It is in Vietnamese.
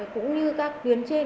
cũng như các tuyến trên